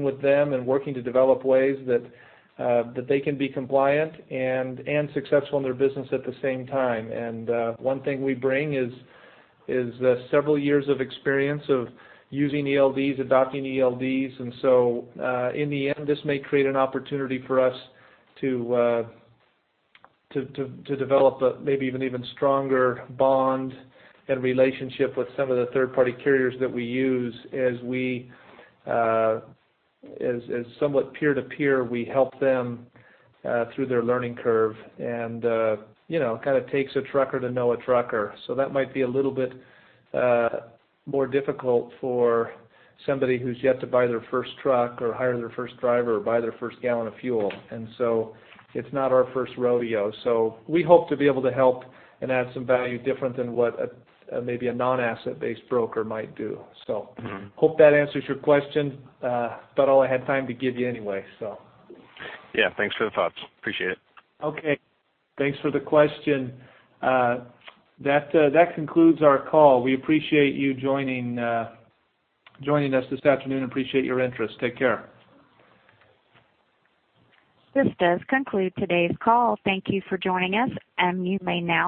with them and working to develop ways that they can be compliant and successful in their business at the same time. And, one thing we bring is several years of experience of using ELDs, adopting ELDs. And so, in the end, this may create an opportunity for us to develop a maybe even stronger bond and relationship with some of the third-party carriers that we use as we, as somewhat peer-to-peer, we help them through their learning curve. And, you know, it kind of takes a trucker to know a trucker. So that might be a little bit more difficult for somebody who's yet to buy their first truck or hire their first driver or buy their first gallon of fuel. And so it's not our first rodeo, so we hope to be able to help and add some value different than what a, maybe a non-asset-based broker might do. So- Mm-hmm. Hope that answers your question. About all I had time to give you anyway, so. Yeah, thanks for the thoughts. Appreciate it. Okay. Thanks for the question. That, that concludes our call. We appreciate you joining, joining us this afternoon and appreciate your interest. Take care. This does conclude today's call. Thank you for joining us, and you may now disconnect.